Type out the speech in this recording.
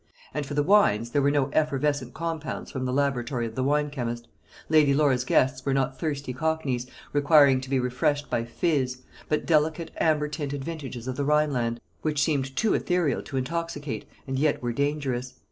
And for the wines, there were no effervescent compounds from the laboratory of the wine chemist Lady Laura's guests were not thirsty cockneys, requiring to be refreshed by "fizz" but delicate amber tinted vintages of the Rhineland, which seemed too ethereal to intoxicate, and yet were dangerous.